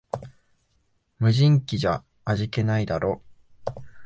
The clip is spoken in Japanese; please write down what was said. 無人機じゃ味気ないだろ